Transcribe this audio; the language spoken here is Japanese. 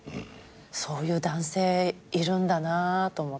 そういう男性いるんだなと思って。